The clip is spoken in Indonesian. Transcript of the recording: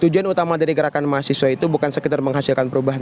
tujuan utama dari gerakan mahasiswa itu bukan sekedar menghasilkan perubahan